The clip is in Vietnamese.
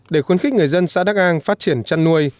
để khuyến khích người dân xã đắc an phát triển chăn nuôi